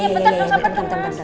bentar dong sabar sabar